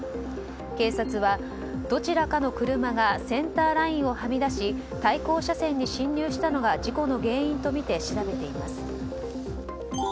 警察はどちらかの車がセンターラインをはみ出し対向車線に進入したのが事故の原因とみて調べています。